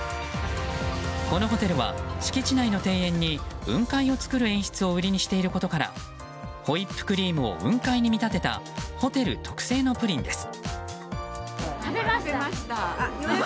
このホテルは、敷地内の庭園に雲海を作る演出を売りにしていることからホイップクリームを雲海に見立てたホテル特製のプリンです。